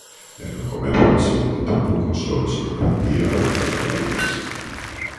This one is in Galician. E no comezo do segundo tempo Consuelo sorprendía o cadro marinense.